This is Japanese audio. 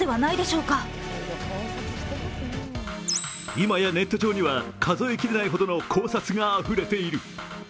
今や、ネット上には数え切れないほどの考察があふれている。